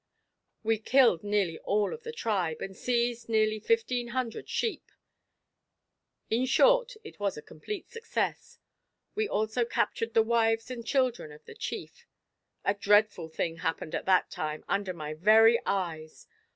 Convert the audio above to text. We killed nearly all of the tribe, and seized nearly fifteen hundred sheep; in short, it was a complete success. We also captured the wives and children of the chief. A dreadful thing happened at that time, under my very eyes!